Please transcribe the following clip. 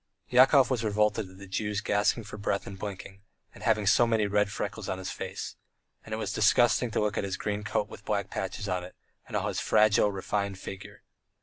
Yakov was revolted at the Jew's gasping for breath and blinking, and having so many red freckles on his face. And it was disgusting to look at his green coat with black patches on it, and all his fragile, refined figure.